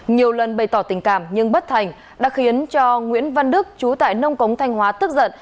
nhiều lần bày tỏ tình cảm nhưng bất thành đã khiến cho nguyễn văn đức chú tại nông cống thanh hóa tức giận